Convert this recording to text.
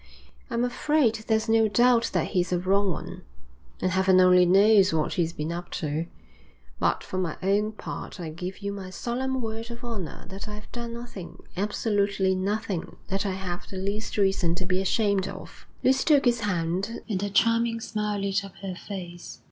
I'm afraid there's no doubt that he's a wrong 'un and heaven only knows what he's been up to but for my own part I give you my solemn word of honour that I've done nothing, absolutely nothing, that I have the least reason to be ashamed of.' Lucy took his hand, and a charming smile lit up her face.